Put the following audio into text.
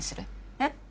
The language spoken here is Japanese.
えっ？